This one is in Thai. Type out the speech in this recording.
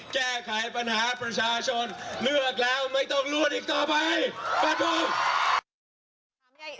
แก้ไขปัญหาประชาชน